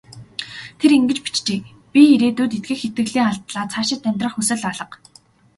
Тэр ингэж бичжээ: "Би ирээдүйд итгэх итгэлээ алдлаа. Цаашид амьдрах хүсэл алга".